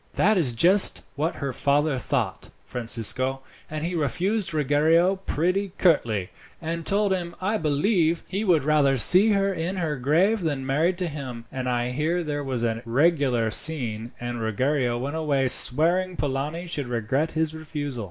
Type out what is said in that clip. "That is just what her father thought, Francisco, and he refused Ruggiero pretty curtly, and told him, I believe, he would rather see her in her grave than married to him; and I hear there was a regular scene, and Ruggiero went away swearing Polani should regret his refusal."